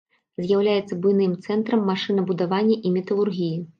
З'яўляецца буйным цэнтрам машынабудавання і металургіі.